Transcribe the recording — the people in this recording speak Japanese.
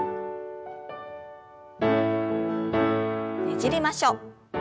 ねじりましょう。